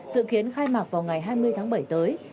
dự kiến khai mạc vào ngày hai mươi tháng bảy tới